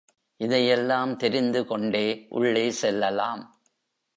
இதையெல்லாம் தெரிந்து கொண்டே உள்ளே செல்லலாம்.